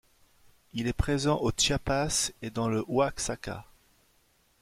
Il est présent au Chiapas et dans le Oaxaca.